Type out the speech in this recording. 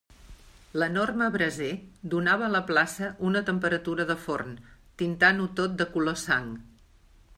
L'enorme braser donava a la plaça una temperatura de forn, tintant-ho tot de color sang.